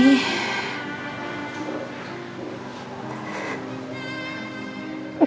disahat sahat seperti ini